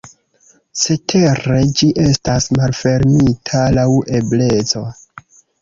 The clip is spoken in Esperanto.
Cetere ĝi estas malfermita laŭ ebleco.